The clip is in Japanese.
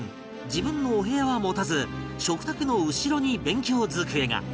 自分のお部屋は持たず食卓の後ろに勉強机が